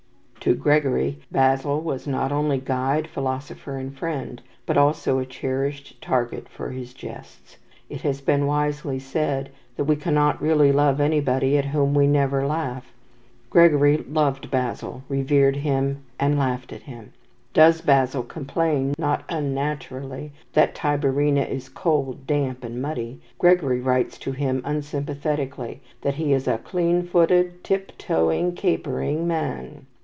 To Gregory, Basil was not only guide, philosopher, and friend; but also a cherished target for his jests. It has been wisely said that we cannot really love anybody at whom we never laugh. Gregory loved Basil, revered him, and laughed at him. Does Basil complain, not unnaturally, that Tiberina is cold, damp, and muddy, Gregory writes to him unsympathetically that he is a "clean footed, tip toeing, capering man."